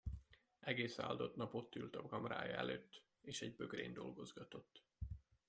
Egész áldott nap ott ült a kamrája előtt, és egy bögrén dolgozgatott.